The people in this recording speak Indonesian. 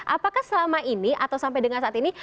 apakah selama ini atau sampai dengan saat ini